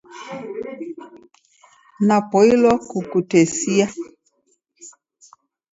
Napoilwa kukutesia.